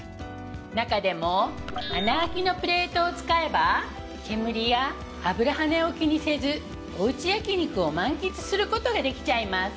中でも穴あきのプレートを使えば煙や油はねを気にせずおうち焼肉を満喫することができちゃいます